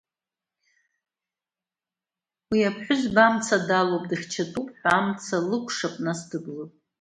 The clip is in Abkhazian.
Уи аԥҳәызба амца далоуп, дыхьчатәуп ҳәа, амца лыкәшап, нас дыблып.